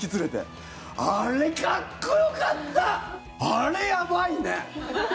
あれ、やばいね。